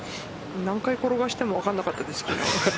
何回転がしても分かんなかったです。